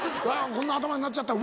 「こんな頭になっちゃった」